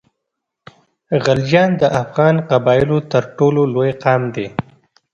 غلجیان د افغان قبایلو تر ټولو لوی قام دی.